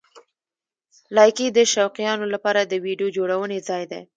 لایکي د شوقیانو لپاره د ویډیو جوړونې ځای دی.